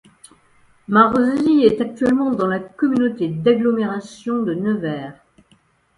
Marzy est actuellement dans la communauté d'agglomération de Nevers.